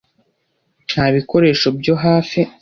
Nta bikoresho byo hafi